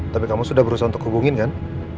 tapi kamu sudah berusaha untuk hubungin kan